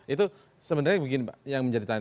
itu sebenarnya yang menjadi tanya